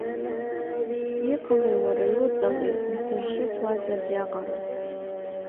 Иҟалеи уара, иуҵалеи, узыршьыцуазеи абриаҟара?